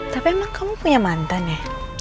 tapi emang kamu punya mantan ya